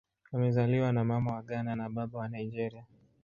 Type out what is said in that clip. Amezaliwa na Mama wa Ghana na Baba wa Nigeria.